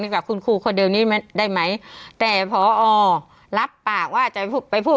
กับคุณครูคนเดิมนี้ได้ไหมแต่พอรับปากว่าจะไปพูด